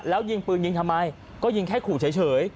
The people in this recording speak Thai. แล้วยิงปืนยิงทำไมก็ยิงแค่ขู่เฉย